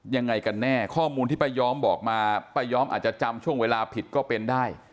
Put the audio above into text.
ยังไงกันแน่ข้อมูลที่ป้าย้อมบอกมาป้าย้อมอาจจะจำช่วงเวลาผิดก็เป็นได้